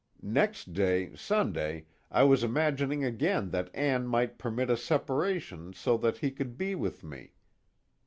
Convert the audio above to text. Next day, Sunday, I was imagining again that Ann might permit a separation so that he could be with me.